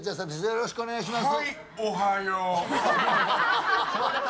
よろしくお願いします。